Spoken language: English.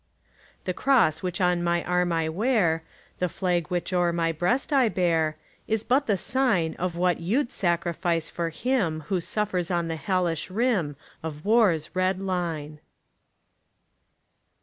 The cross which on my arm I wear, The flag which o'er my breast I bear, Is but the sign Of what you 'd sacrifice for him Who suffers on the hellish rim Of war's red line.